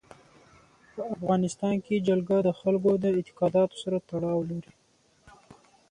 په افغانستان کې جلګه د خلکو د اعتقاداتو سره تړاو لري.